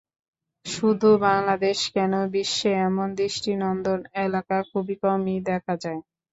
শুধু বাংলাদেশ কেন, বিশ্বে এমন দৃষ্টিনন্দন এলাকা খুব কমই দেখা যায়।